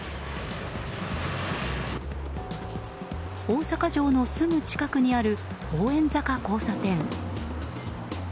大阪城のすぐ近くにある法円坂交差点。